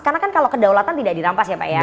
karena kan kalau kedaulatan tidak dirampas ya pak ya